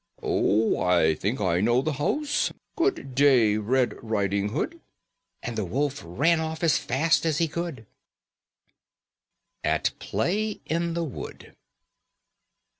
"Oh! I think I know the house. Good day, Red Riding Hood." And the wolf ran off as fast as he could _AT PLAY IN THE WOOD.